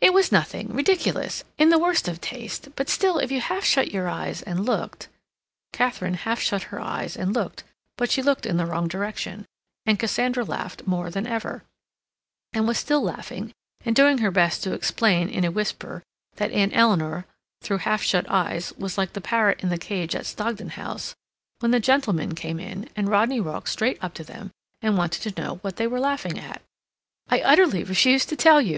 "It was nothing—ridiculous—in the worst of taste, but still, if you half shut your eyes and looked—" Katharine half shut her eyes and looked, but she looked in the wrong direction, and Cassandra laughed more than ever, and was still laughing and doing her best to explain in a whisper that Aunt Eleanor, through half shut eyes, was like the parrot in the cage at Stogdon House, when the gentlemen came in and Rodney walked straight up to them and wanted to know what they were laughing at. "I utterly refuse to tell you!"